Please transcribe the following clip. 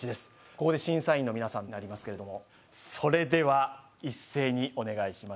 ここで審査員の皆さんになりますけれどもそれでは一斉にお願いします